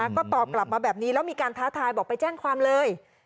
ก็ตอบกลับมาแบบนี้แล้วมีการท้าทายบอกไปแจ้งความเลย